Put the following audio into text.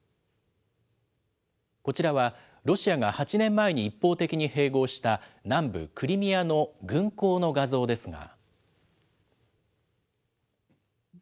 こちらはロシアが８年前に一方的に併合した南部クリミアの軍港の画像ですが。